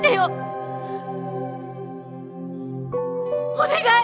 お願い！